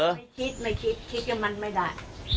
ไม่คิดไม่คิดคิดกับมันไม่ได้